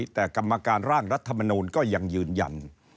แต่กรรมการร่างรัฐมนูลก็ยังยืนยัน